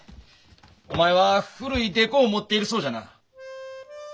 お前は古い木偶を持っているそうじゃな。